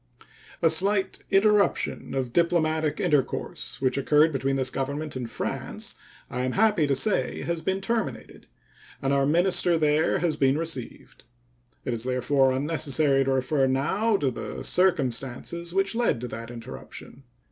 A slight interruption of diplomatic intercourse which occurred between this Government and France, I am happy to say, has been terminated, and our minister there has been received. It is therefore unnecessary to refer now to the circumstances which led to that interruption.